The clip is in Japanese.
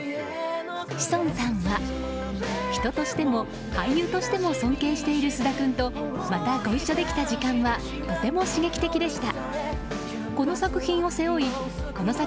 志尊さんは人としても俳優としても尊敬している菅田君とまたご一緒できた時間はとても刺激的でした。